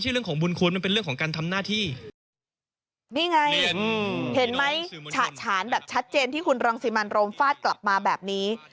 เห็นไหมฉะฉันแบบชัดเจนที่คุณรังซิมัญโรมฝาดกลับมาแบบนี้